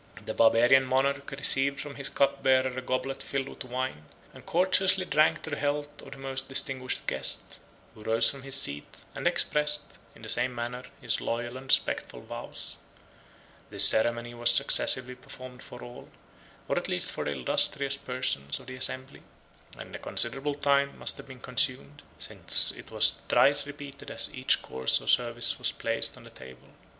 The Barbarian monarch received from his cup bearer a goblet filled with wine, and courteously drank to the health of the most distinguished guest; who rose from his seat, and expressed, in the same manner, his loyal and respectful vows. This ceremony was successively performed for all, or at least for the illustrious persons of the assembly; and a considerable time must have been consumed, since it was thrice repeated as each course or service was placed on the table.